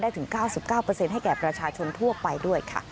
ถึง๙๙ให้แก่ประชาชนทั่วไปด้วยค่ะ